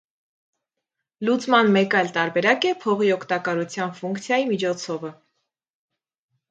Լուծման մեկ այլ տարբերակ է փողի օգտակարության ֆունկցիայի միջոցովը։